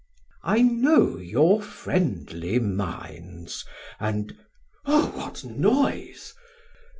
Man: I know your friendly minds and O what noise!